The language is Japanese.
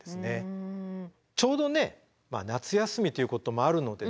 ちょうどね夏休みということもあるのでね